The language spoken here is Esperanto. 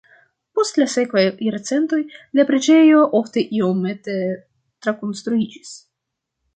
Post la sekvaj jarcentoj la preĝejo ofte iomete trakonstruiĝis.